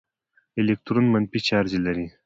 الکترون منفي چارج لري.